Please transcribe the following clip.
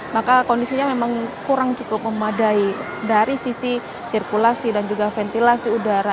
maka kondisinya memang kurang cukup memadai dari sisi sirkulasi dan juga ventilasi udara